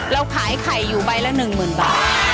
เราขายไข่อยู่ใบละหนึ่งหมื่นบาท